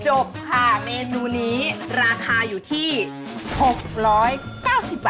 จบค่ะเมนูนี้ราคาอยู่ที่๖๙๐บาท